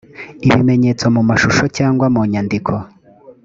ibimenyetso mu mashusho cyangwa mu nyandiko